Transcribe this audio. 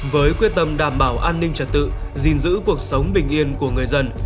với quyết tâm đảm bảo an ninh trật tự gìn giữ cuộc sống bình yên của người dân